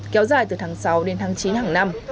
kéo dài từ tháng sáu đến tháng chín hàng năm